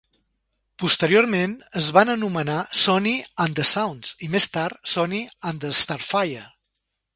Posteriorment, es van anomenar Sonny and The Sounds i, més tard, Sonny and The Starfires.